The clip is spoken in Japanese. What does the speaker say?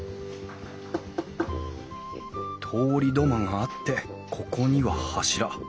通り土間があってここには柱。